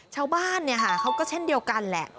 ชาวบ้านเขาก็เช่นเดียวกันแหละ